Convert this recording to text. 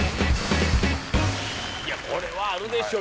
いやこれはあるでしょ